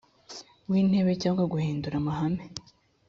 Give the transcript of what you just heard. w intebe cyangwa guhindura amahame